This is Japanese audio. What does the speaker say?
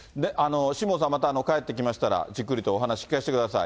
辛坊さん、また帰ってきましたら、じっくりとお話聞かせてください。